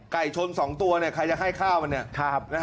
ไก่ชน๒ตัวใครจะให้ข้าวมัน